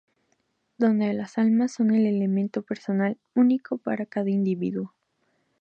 Donde las almas son el elemento personal único para cada individuo.